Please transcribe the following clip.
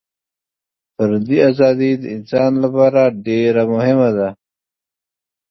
فردي ازادي د انسان لپاره ډېره مهمه ده.